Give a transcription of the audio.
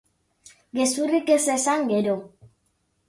Gezurrik ez esan, gero.